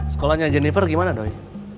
sekolahnya jennifer gimana doi